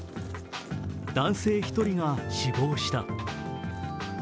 男性１人が死亡した。